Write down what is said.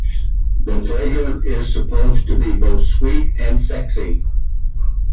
The fragrance is supposed to be both sweet and sexy.